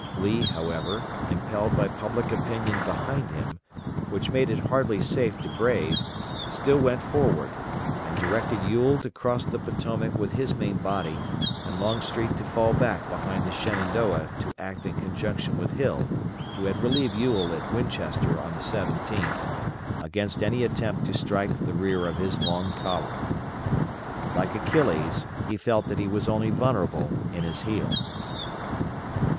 Lee, however, impelled by public opinion behind him, which it was hardly safe to brave, still went forward, and directed Ewell to cross the Potomac with his main body and Longstreet to fall back behind the Shenandoah to act in conjunction with Hill, who had relieved Ewell at Winchester on the 17th, against any attempt to strike the rear of his long column. Like Achilles he felt that he was only vulnerable in his heel.